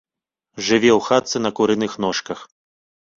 Жыве ў хатцы на курыных ножках.